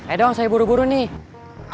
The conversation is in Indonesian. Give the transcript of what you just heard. eh dong saya buru buru nih